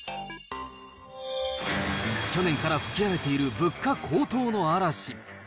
去年から吹き荒れている物価高騰の嵐。